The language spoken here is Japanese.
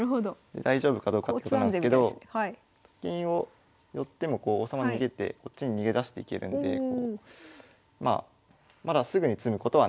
大丈夫かどうかってことなんですけどと金を寄っても王様逃げてこっちに逃げだしていけるんでまあまだすぐに詰むことはないと。